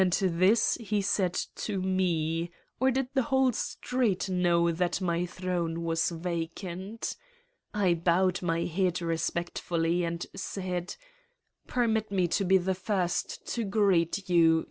And this he said to Me ... or did the whole street know that my throne was vacant! I bowed my head respectfully and said: "Permit me to be the first to greet you